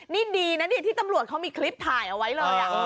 นี่ดีนะนี่ที่ตำรวจเขามีคลิปถ่ายเอาไว้เลย